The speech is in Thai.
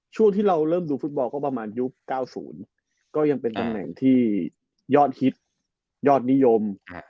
ช่วงที่เราเริ่มดูฟุตบอลก็ประมาณยุค๙๐ก็ยังเป็นตำแหน่งที่ยอดฮิตยอดนิยม